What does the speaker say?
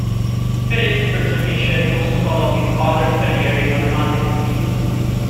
Filip's first ambition was to follow his father's career in mathematics.